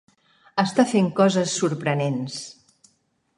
Està fent coses sorprenents.